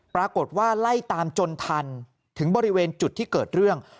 ปรากฏว่าไล่ตามจนทันถึงบริเวณจุดที่เกิดเรื่อง